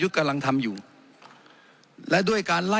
ขออนุโปรประธานครับขออนุโปรประธานครับขออนุโปรประธานครับ